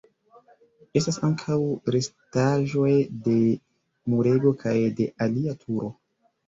Estas ankaŭ restaĵoj de murego kaj de alia turo.